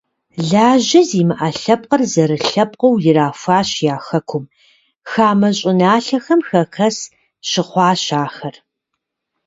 Лажьэ зимыӀэ лъэпкъыр зэрылъэпкъыу ирахуащ я хэкум, хамэ щӀыналъэхэм хэхэс щыхъуащ ахэр.